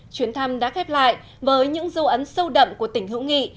chuyến thăm đã khép lại với những dấu ấn sâu đậm của tỉnh hữu nghị